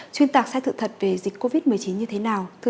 xuyên tạc sai sự thật về dịch covid một mươi chín như thế nào